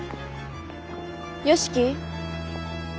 良樹？